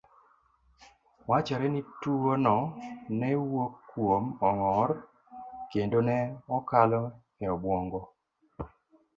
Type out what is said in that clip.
Wachore ni tuwono ne wuok kuom ong'or, kendo ne okalo e obwongo